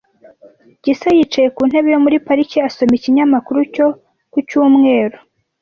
Gisa yicaye ku ntebe yo muri parike asoma ikinyamakuru cyo ku cyumweru.